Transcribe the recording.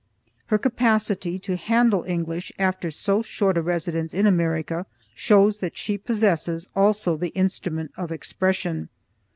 Her capacity to handle English after so short a residence in America shows that she possesses also the instrument of expression.